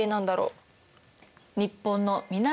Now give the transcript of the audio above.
日本の南